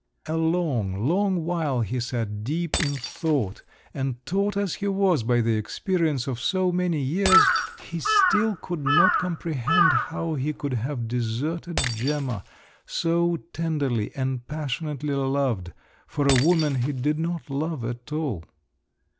A long, long while he sat deep in thought, and taught as he was by the experience of so many years, he still could not comprehend how he could have deserted Gemma, so tenderly and passionately loved, for a woman he did not love at all….